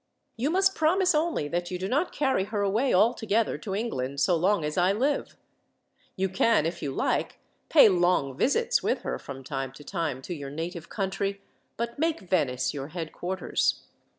You must promise only that you do not carry her away altogether to England, so long as I live. You can, if you like, pay long visits with her from time to time to your native country, but make Venice your headquarters.